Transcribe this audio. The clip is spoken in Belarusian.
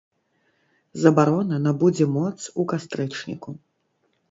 Забарона набудзе моц у кастрычніку.